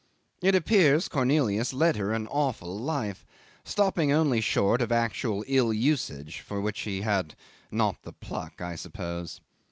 It appears Cornelius led her an awful life, stopping only short of actual ill usage, for which he had not the pluck, I suppose.